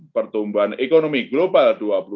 pertumbuhan ekonomi global dua ribu dua puluh satu